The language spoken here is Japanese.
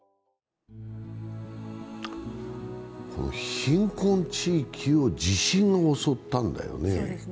貧困地域を地震が襲ったんだよね。